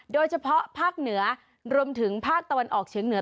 โดยเฉพาะภาคเหนือรวมถึงภาคตะวันออกเฉียงเหนือ